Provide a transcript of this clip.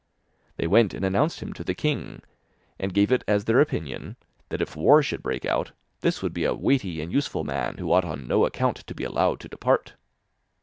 They went and announced him to the king, and gave it as their opinion that if war should break out, this would be a weighty and useful man who ought on no account to be allowed to depart.